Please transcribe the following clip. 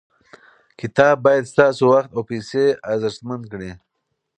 کتاب باید ستاسو وخت او پیسې ارزښتمن کړي.